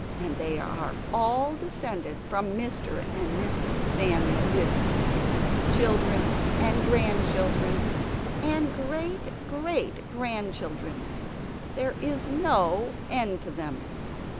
And they are all descended from Mr. and Mrs. Samuel Whiskers children and grandchildren and great great grandchildren. There is no end to them!